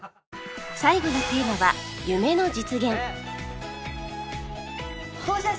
最後のテーマは「夢の実現」